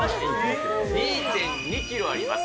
２．２キロあります。